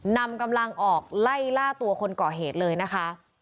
นำกำลังออกไล่ล่าตัวคนก่อเหตุเลยนะคะ